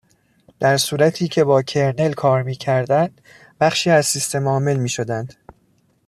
در صورتی که با کرنل کار میکردند، بخشی از سیستمعامل میشدند